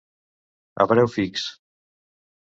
A preu fix.